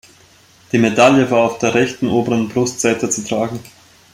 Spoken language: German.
Die Medaille war auf der rechten oberen Brustseite zu tragen.